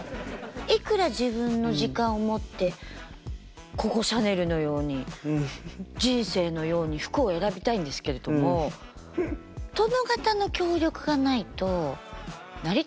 いくら自分の時間を持ってココ・シャネルのように人生のように服を選びたいんですけれども殿方の協力がないと成り立ちませんの。